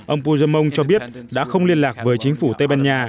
ông pujamon cho biết đã không liên lạc với chính phủ tây ban nha